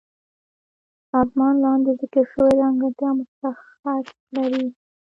سازمان لاندې ذکر شوي ځانګړي مشخصات لري.